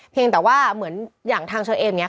เพียงแต่ว่าเหมือนอย่างทางเชิญเองนี้